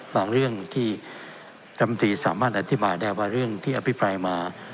เรื่องที่ดำตีสามารถอธิบายได้ว่าเรื่องที่อภิปรายมา